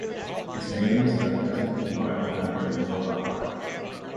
Ismailis are present in large number in Gulbahar.